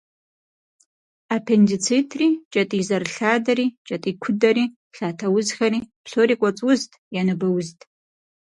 Аппендицитри, кӏэтӏий зэрылъадэри, кӏэтӏий кудэри, лъатэ узхэри псори «кӏуэцӏ узт» е «ныбэ узт».